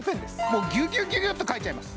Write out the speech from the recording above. もうギュギュギュギュッと書いちゃいます